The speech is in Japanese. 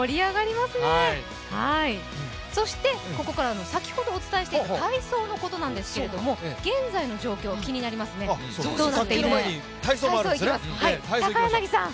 そしてここから、先ほどお伝えしていた体操のことなんですけど現在の状況気になりますね、どうなっているのか。